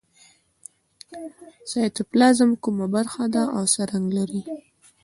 سایتوپلازم کومه برخه ده او څه رنګ لري